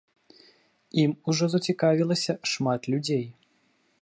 Ім ужо зацікавілася шмат людзей.